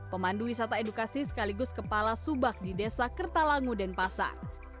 pemandu wisata edukasi sekaligus kepala subak di desa kertalangu denpasar